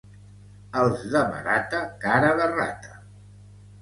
Els de Marata, cara de rata